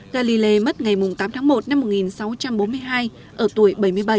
galilei mất ngày tám tháng một năm một nghìn sáu trăm bốn mươi hai ở tuổi bảy mươi bảy